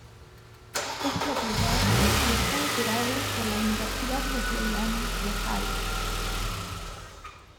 Es propiedad y está operado por la Universidad Wesleyana de Ohio.